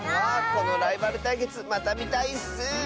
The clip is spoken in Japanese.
このライバルたいけつまたみたいッス！